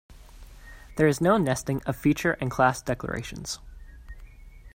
There is no nesting of feature and class declarations.